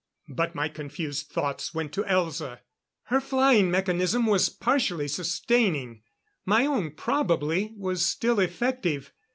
But my confused thoughts went to Elza. Her flying mechanism was partially sustaining; my own probably was still effective.